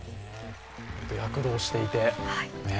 躍動していて。